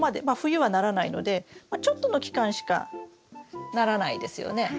まあ冬はならないのでちょっとの期間しかならないですよね？